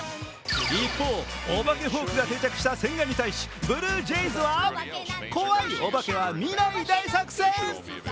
一方、お化けフォークが定着した千賀に対しブルージェイズは怖いお化けは見ない大作戦。